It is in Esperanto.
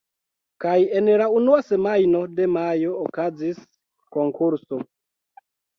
Kaj en la unua semajno de majo okazis konkurso.